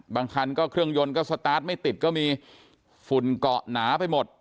บางคันก็เครื่องยนต์ก็สตาร์ทไม่ติดก็มีฝุ่นเกาะหนาไปหมด